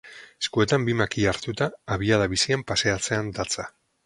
Eskuetan bi makila hartuta abiada bizian paseatzean datza.